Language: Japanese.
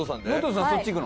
そっち行くの？